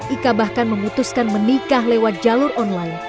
ika bahkan memutuskan menikah lewat jalur online